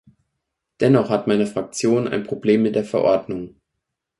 Dennoch hat meine Fraktion ein Problem mit der Verordnung.